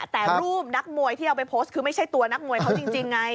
แต่รูปนักมวยที่เอาไปโพสต์คือไม่ใช่ตัวนักมวยเขาจริงไง